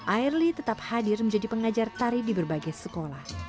airly tetap hadir menjadi pengajar tari di berbagai sekolah